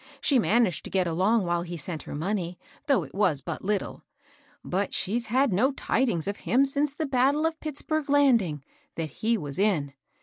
She managed to get along while he sent her money, though it was but Uttle ; but she's had no tidings of him since the battle of Pittsburg Landing, that he was in.